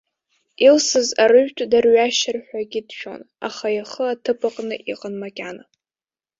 Илсыз арыжәтә дарҩашьарҳәагьы дшәон, аха ихы аҭыԥ аҟны иҟан макьана.